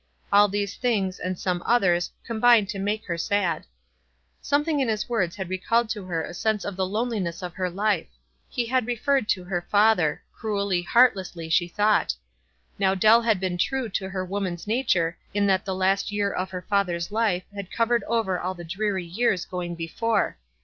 All these things, and some others, combined tu make her Bad. Somethiug in his words had recalled to WISE AND OTHERWISE. 141 her a sense of the loneliness of her life. Ho had referred to her father — cruelly, heartlessly, she thought. Now Dell had been true to her woman's nature in that the last year of her father's life had covered over all the dreary years going before.